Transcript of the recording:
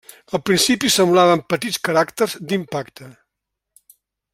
Al principi semblaven petits caràcters d'impacte.